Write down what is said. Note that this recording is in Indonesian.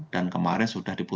dan kemarin sudah dipengaruhi